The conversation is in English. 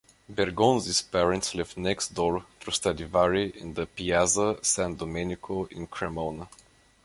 Bergonzi's parents lived next door to Stradivari in the Piazza San Domenico in Cremona.